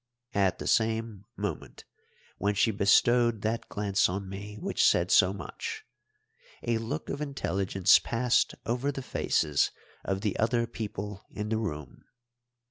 At the same moment, when she bestowed that glance on me which said so much, a look of intelligence passed over the faces of the other people in the room.